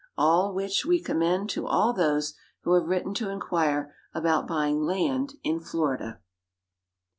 All which we commend to all those who have written to inquire about buying land in Florida.